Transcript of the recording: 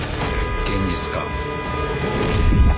現実か？